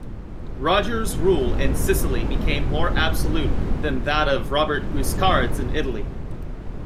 Roger's rule in Sicily became more absolute than that of Robert Guiscard's in Italy.